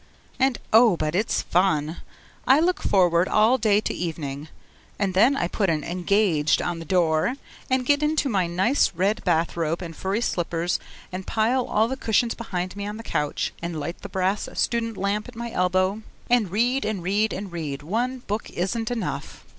And oh, but it's fun! I look forward all day to evening, and then I put an 'engaged' on the door and get into my nice red bath robe and furry slippers and pile all the cushions behind me on the couch, and light the brass student lamp at my elbow, and read and read and read one book isn't enough.